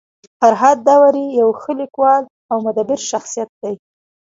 فرهاد داوري يو ښه لیکوال او مدبر شخصيت دی.